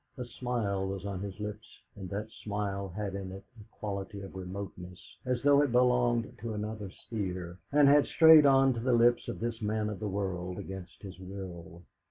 A smile was on his lips, and that smile had in it a quality of remoteness, as though it belonged to another sphere, and had strayed on to the lips of this man of the world against his will.